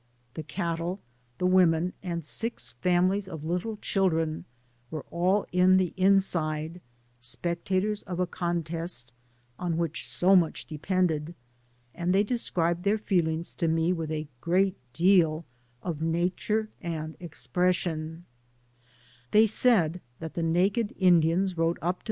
The cattle, the women, and six families of little children, were all in the inside, spectators of a contest on which so much depended, and they described their feelings to me with a great deal of nature and expression^ They said that the naked Indians rode up to Digitized byGoogk 102 THB PAMPAS.